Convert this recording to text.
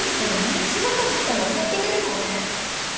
融資係来たの最近ですもんね。